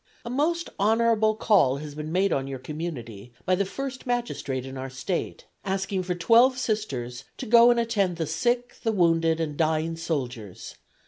A most honorable call has been made on your community by the First Magistrate in our State, asking for twelve Sisters to go and attend the sick, the wounded and dying soldiers....